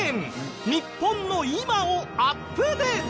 日本の今をアップデート。